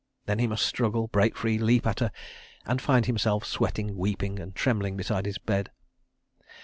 Then he must struggle, break free, leap at her—and find himself sweating, weeping and trembling beside his bed.